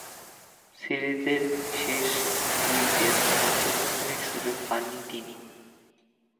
সিরিজের শেষ দুই টেস্টে অংশগ্রহণের সুযোগ পাননি তিনি।